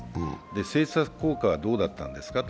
政策効果はどうだったんですか。